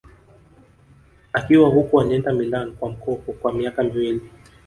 Akiwa huko alienda Milan kwa mkopo kwa miaka miwili